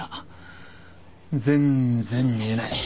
全然見えない。